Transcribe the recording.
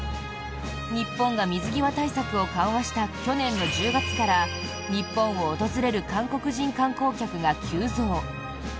日本が水際対策を緩和した去年の１０月から日本を訪れる韓国人観光客が急増。